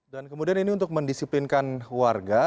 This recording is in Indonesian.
kemudian ini untuk mendisiplinkan warga